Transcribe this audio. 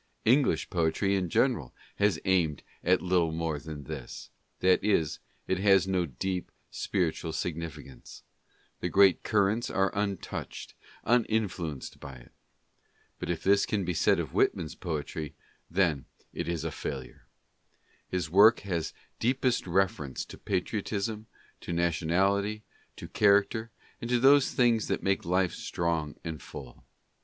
English poetry in general has aimed at little more than this ; that is, it has no deep spiritual significance; the great currents are untouched, uninfluenced by it. But if this can be said of Whitman's poetry, then it is a failure. His work has deepest reference to patriotism, to nationality, to character, and to those things that make life strong and full.